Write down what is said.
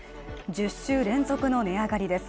１０週連続の値上がりです。